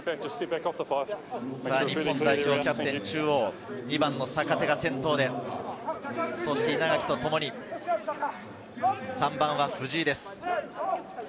日本代表キャプテン、中央、２番の坂手が先頭で、稲垣とともに、３番の藤井です。